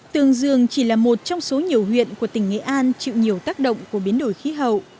tương dương chỉ là một trong số nhiều huyện của tỉnh nghệ an chịu nhiều tác động của biến đổi khí hậu